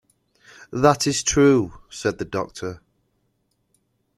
"That is true," said the doctor.